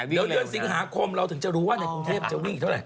เดี๋ยวเดือนสิงหาคมเราถึงจะรู้ว่าในกรุงเทพจะวิ่งอีกเท่าไห